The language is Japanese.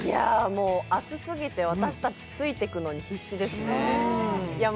熱すぎて私たちついていくのに必死ですね。